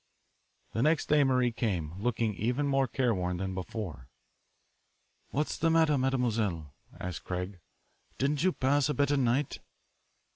The next day Marie came, looking even more careworn than before. "What's the matter, mademoiselle?" asked Craig. "Didn't you pass a better night?"